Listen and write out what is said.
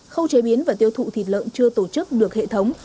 khâu chế biến và tiêu thụ thịt lợn chưa tổ chức được hệ thống